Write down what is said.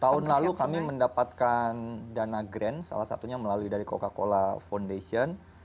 tahun lalu kami mendapatkan dana grand salah satunya melalui dari coca cola foundation